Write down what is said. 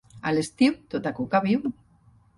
A l'estiu, tota cuca viu.